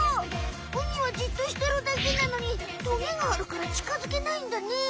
ウニはじっとしてるだけなのにトゲがあるから近づけないんだね。